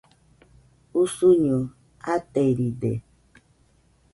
Usuño ateride